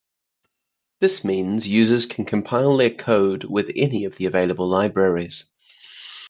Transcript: This means users can compile their code with any of the available libraries.